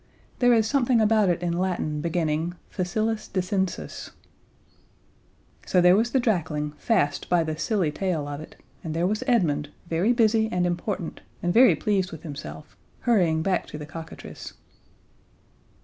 There is something about it in Latin, beginning: "Facilis descensus." So there was the drakling, fast by the silly tail of it, and there was Edmund very busy and important and very pleased with himself, hurrying back to the cockatrice.